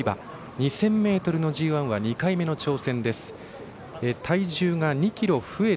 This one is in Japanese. ２０００ｍのＧＩは２回目の挑戦です。